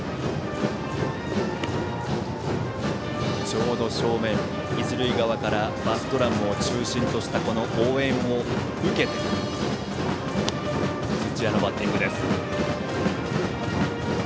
ちょうど正面、一塁側からバスドラムを中心とした応援を受けて土屋のバッティングです。